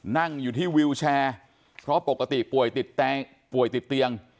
นั่งอยู่ที่วิวแชร์เพราะปกติป่วยติดป่วยติดเตียง